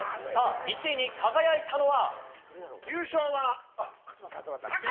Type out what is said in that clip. １位に輝いたのは！